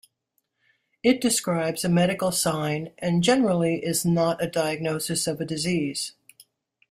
It describes a medical sign and, generally, is not a diagnosis of a disease.